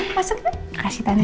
masuk deh kasih tanda